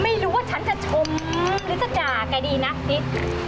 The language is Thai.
ไม่รู้ว่าฉันจะชมหรือจะด่าแกดีนะติ๊ก